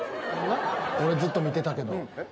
俺ずっと見てたけど。